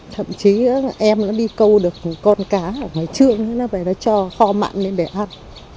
thậm chí em nó đi câu được con cá ở ngoài trường nó phải cho kho mặn lên để ăn